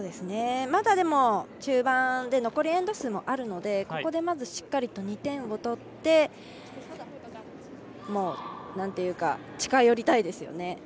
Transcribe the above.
まだ中盤で残りエンド数もあるのでここでまずしっかりと２点を取って近寄りたいですよね。